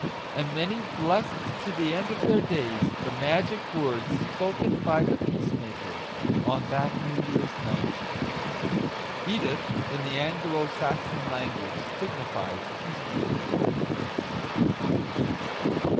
And many blessed to the end of their days the Magic Words spoken by the Peacemaker* on that New year's Night. * Edith, in the Anglo Saxon language, signifies Peace maker.